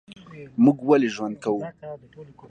موږ ولي ژوند کوو؟